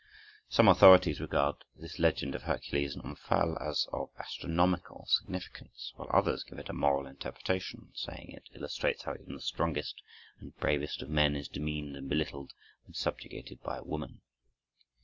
Some authorities regard this legend of Hercules and Omphale as of astronomical significance, while others give it a moral interpretation, saying it illustrates how even the strongest and bravest of men is demeaned and belittled when subjugated by a woman.